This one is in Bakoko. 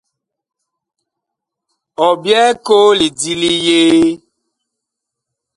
Ɔ byɛɛ koo lidi li yee ?